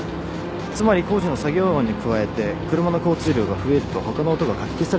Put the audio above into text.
つまり工事の作業音に加えて車の交通量が増えると他の音がかき消されるってことですか。